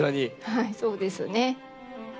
はいそうですね。